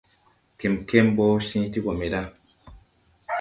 Kɛmkɛm ɓɔ cẽẽ ti gɔ me ɗa.